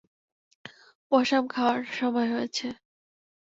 পসাম খাওয়ার সময় হয়েছে!